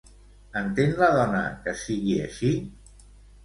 Entén la dona que sigui així?